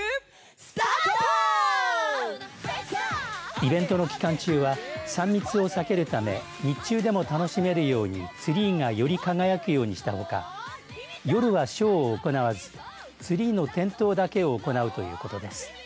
イベントの期間中は３密を避けるため日中でも楽しめるようにツリーがより輝くようにしたほか夜はショーを行わずツリーの点灯だけを行うということです。